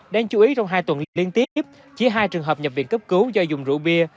đáng chú ý trong hai tuần liên tiếp chỉ hai trường hợp nhập viện cấp cứu do dùng rượu bia